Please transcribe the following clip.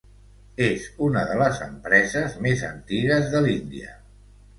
És una de les empreses més antigues de l'Índia.